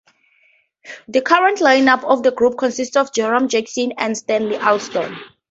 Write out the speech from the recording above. The current line-up of the group consists of Jerome Jackson, and Stanley Alston.